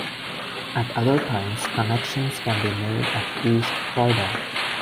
At other times, connections can be made at East Croydon.